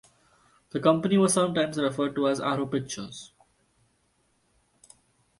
The company was sometimes referred to as Arrow Pictures.